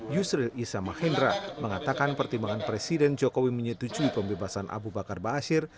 yusril isamahendra mengatakan pertimbangan presiden jokowi menyetujui pembebasan abu bakar ba'asir